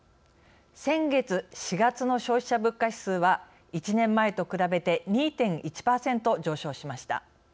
先月、４月の消費者物価指数は１年前と比べて２．１％上昇しました。